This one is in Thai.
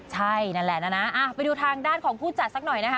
ใช่นั่นแหละนะไปดูทางด้านของผู้จัดสักหน่อยนะคะ